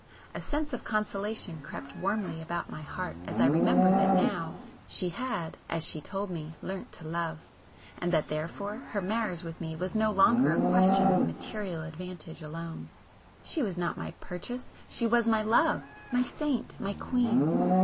A sense of consolation crept warmly about my heart as I remembered that now, she had, as she told me 'learnt to love,'—and that therefore her marriage with me was no longer a question of material advantage alone. She was not my 'purchase,'—she was my love, my saint, my queen!